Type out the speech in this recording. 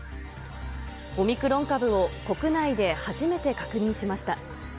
オミクロン株を国内で初めて確認しました。